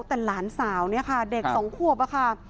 แต่หลานสาวเนี่ยค่ะเด็กสองขวบอะค่ะ